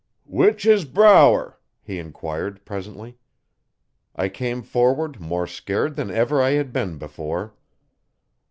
'Which is Brower?' he enquired presently. I came forward more scared than ever I had been before.